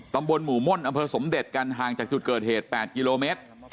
ตำบลหมู่ม่นอำเภอสมเด็จกันห่างจากจุดเกิดเหตุ๘กิโลเมตร